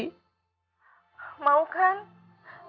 kamu juga boleh berjaga jaga